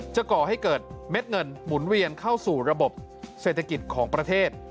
ก่อให้เกิดเม็ดเงินหมุนเวียนเข้าสู่ระบบเศรษฐกิจของประเทศ